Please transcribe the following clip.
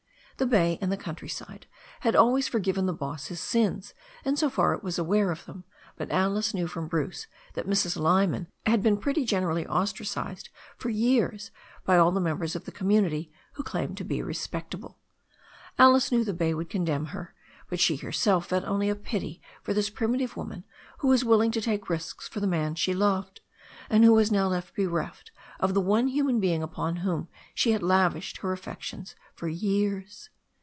The bay and the countryside had always forgiven the boss his sins in so far as it was aware of them, but Alice knew from Bruce that Mrs. Lyman had been pretty generally ostracised for years by all the mem bers of the community who claimed to be respectable. Alice knew the bay would condemn her, but she herself felt only a pity for this primitive woman who was willing to take risks for the man she loved, and who was now left bereft of the one human being upon whom she had lavished her affections for years.